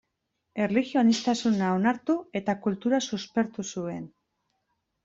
Erlijio-aniztasuna onartu eta kultura suspertu zuen.